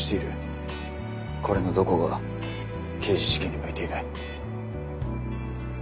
これのどこが刑事事件に向いていない？